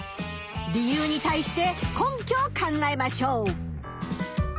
理由に対して根拠を考えましょう。